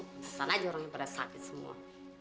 pasang aja orang yang pada sakit semua